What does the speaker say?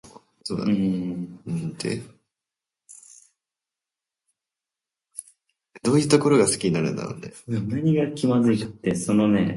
けれども実際彼の母が病気であるとすれば彼は固より帰るべきはずであった。